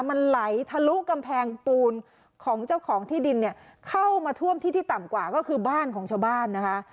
มันไหลทะลุกำแพงปูนของเจ้าของที่ดินเนี่ยเข้ามาท่วมที่ที่ต่ำกว่าก็คือบ้านของชาวบ้านนะคะ